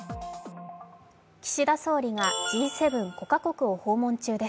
岸田総理がＧ７・５か国を訪問中です。